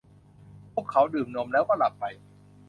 พวกเขาดื่มนมแล้วก็หลับไป